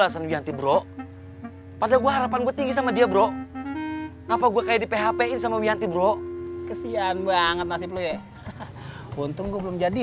sama dia bro ngapa gua kayak di php sama wianti bro kesian banget nasibnya untung gua belum jadi